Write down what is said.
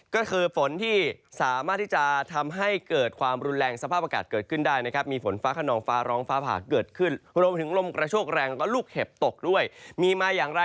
ก็มีลูกเห็บตกด้วยมีมาอย่างไร